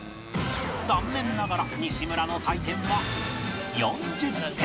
残念ながら西村の採点は